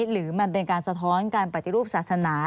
หรือมันเป็นการสะท้อนการปฏิรูปศาสนา